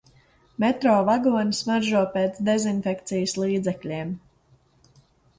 Metro vagoni smaržo pēc dezinfekcijas līdzekļiem.